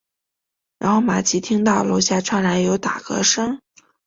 然后玛琦听到楼下传来有打嗝声。